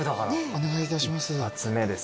お願いいたします。